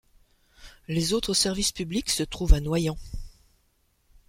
Les autres services publics se trouvent à Noyant.